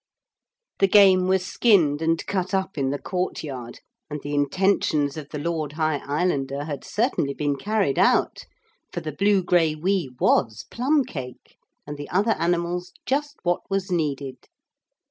The game was skinned and cut up in the courtyard, and the intentions of the Lord High Islander had certainly been carried out. For the blugraiwee was plum cake, and the other animals just what was needed.